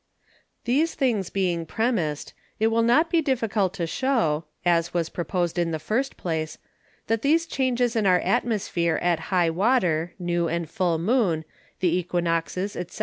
These things being premised, it will not be difficult to shew (as was proposed in the first Place) that these Changes in our Atmosphere at High Water, New and Full Moon, the Æquinoxes, _&c.